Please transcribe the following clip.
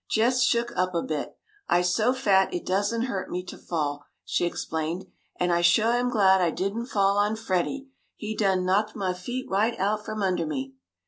"Jest shook up a bit. I'se so fat it doesn't hurt me t' fall," she explained. "An' I shuah am glad I didn't fall on Freddie. He done knocked mah feet right out from under me!"